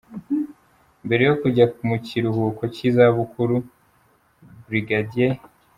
Mbere yo kujya mu kiruhuko cy’izabukuru, Brig.